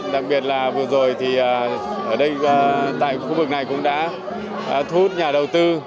đặc biệt là vừa rồi thì ở đây tại khu vực này cũng đã thu hút nhà đầu tư